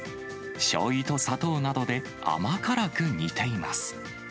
しょうゆと砂糖などで甘辛く煮ています。